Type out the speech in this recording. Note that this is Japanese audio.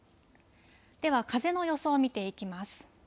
では風の予想を見ていきます。